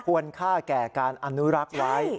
ควรฆ่าแก่การอนุรักษ์ร้าย